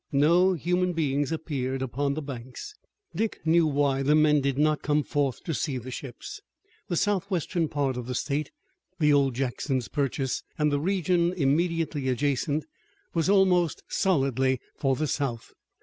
No human beings appeared upon the banks. Dick knew why the men did not come forth to see the ships. The southwestern part of the state, the old Jackson's Purchase, and the region immediately adjacent, was almost solidly for the South.